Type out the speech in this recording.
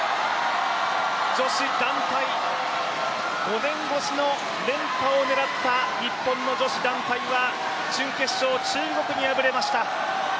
５年越しの連覇を狙った日本の女子団体は準決勝、中国に敗れました。